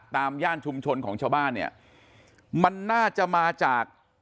ย่านชุมชนของชาวบ้านเนี่ยมันน่าจะมาจาก